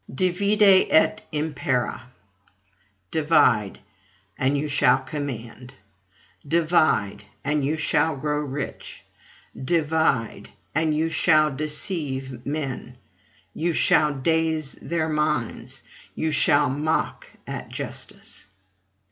Divide et impera divide, and you shall command; divide, and you shall grow rich; divide, and you shall deceive men, you shall daze their minds, you shall mock at justice!